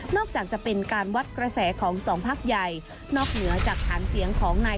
จะเป็นการวัดกระแสของสองพักใหญ่นอกเหนือจากฐานเสียงของนาย